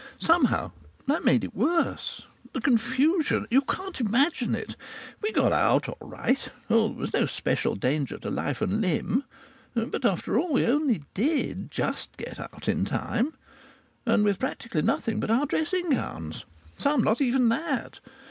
Somehow that made it worse. The confusion you can't imagine it. We got out all right. Oh! there was no special danger to life and limb. But after all we only did get out just in time. And with practically nothing but our dressing gowns some not even that!